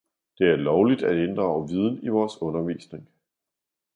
Det er lovligt at inddrage viden i vores undervisning.